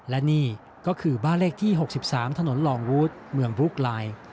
และนี่ก็คือบ้านเลขที่๖๓ถนนลองวูดเมืองบลุ๊กไลน์